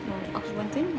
aku buat ini